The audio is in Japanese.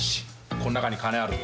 この中に金あるぞ。